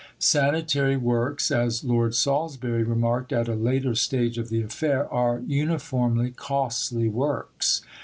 "Sanitary works," as Lord Salisbury remarked at a later stage of the affair, "are uniformly costly works."